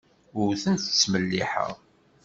Ur tent-ttmelliḥeɣ.